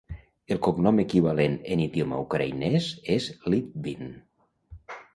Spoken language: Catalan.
El cognom equivalent en idioma ucraïnès és Lytvyn.